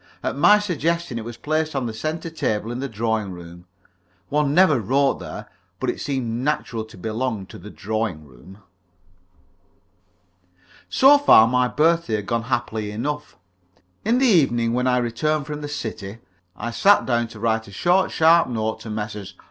At my suggestion it was placed on the centre table in the drawing room. One never wrote there, but it seemed naturally to belong to the drawing room. So far, my birthday had gone happily enough. In the evening, when I returned from the city, I sat down to write a short, sharp note to Messrs.